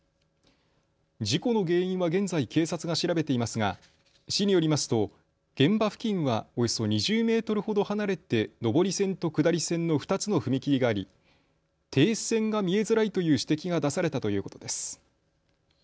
事故の原因は現在、警察が調べていますが市によりますと現場付近はおよそ２０メートルほど離れて上り線と下り線の２つの踏切があり、停止線が見えづらいという指摘が出されたということです。